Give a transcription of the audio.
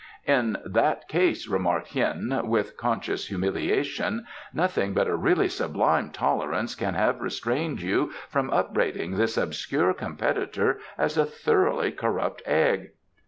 "In that case," remarked Hien, with conscious humiliation, "nothing but a really sublime tolerance can have restrained you from upbraiding this obscure competitor as a thoroughly corrupt egg."